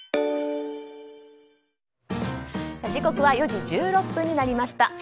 時刻は４時１６分になりました。